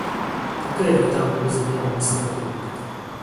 Také vítám omezení administrativy.